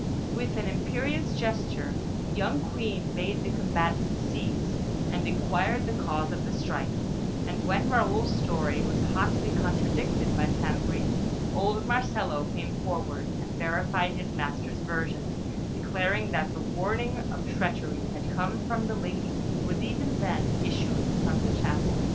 With an imperious gesture, the young Queen bade the combatants cease, and inquired the cause of the strife; and when Raoul's story was hotly contradicted by St. Bris, old Marcello came forward and verified his master's version, declaring that the warning of treachery had come from the lady who was even then issuing from the chapel.